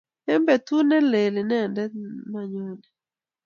Eng betut ne len inendet manyonei